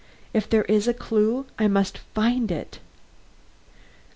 If there is a clue I must find it."